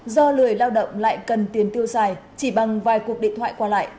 do lười lao động lại cần tiền tiêu xài chỉ bằng vài cuộc điện thoại qua lại